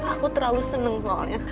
aku terlalu seneng soalnya